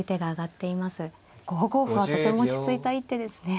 ５五歩はとても落ち着いた一手ですね。